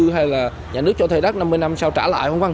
hay là nhà nước cho thuê đắt năm mươi năm sau trả lại hoặc không